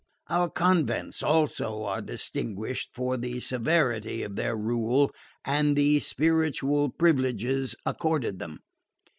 Our convents also are distinguished for the severity of their rule and the spiritual privileges accorded them.